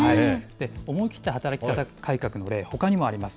思い切った働き方改革の例、ほかにもあります。